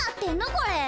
これ。